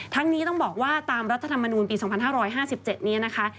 นี้ต้องบอกว่าตามรัฐธรรมนูลปี๒๕๕๗นี้นะคะ